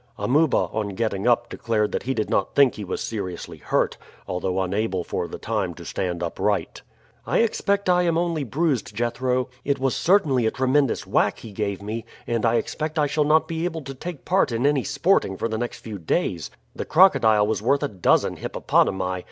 Amuba on getting up declared that he did not think he was seriously hurt, although unable for the time to stand upright. "I expect I am only bruised, Jethro. It was certainly a tremendous whack he gave me, and I expect I shall not be able to take part in any sporting for the next few days. The crocodile was worth a dozen hippopotami.